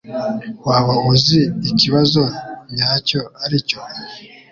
Waba uzi ikibazo nyacyo aricyo